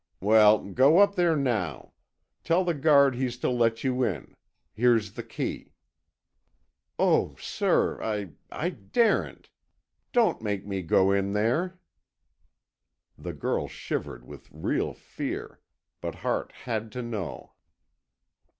"Well, go up there now. Tell the guard he's to let you in. Here's the key." "Oh, sir, I—I daren't! Don't make me go in there!" The girl shivered with real fear, but Hart had to know.